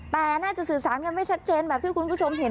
แต่น่าจะสื่อสารกันไม่ชัดเจนแบบที่คุณผู้ชมเห็น